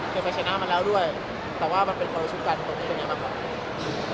เคยไปชนะมันแล้วด้วยแต่ว่ามันเป็นเขาชุดกันตรงนี้กันยังมากกว่า